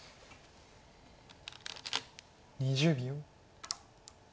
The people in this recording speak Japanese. ２０秒。